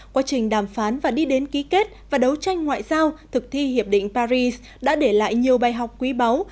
quá trình đàm phán và đi đến ký kết và đấu tranh ngoại giao thực thi hiệp định paris đã để lại nhiều bài học quý báu